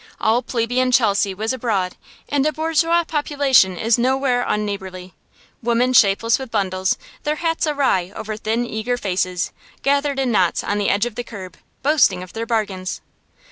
All plebeian Chelsea was abroad, and a bourgeois population is nowhere unneighborly. Women shapeless with bundles, their hats awry over thin, eager faces, gathered in knots on the edge of the curb, boasting of their bargains.